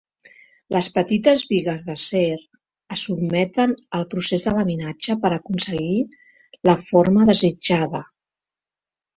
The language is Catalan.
Les petites bigues d'acer es sotmeten al procés de laminatge per aconseguir la forma desitjada.